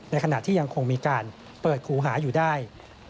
ขณะที่ยังคงมีการเปิดคูหาอยู่ได้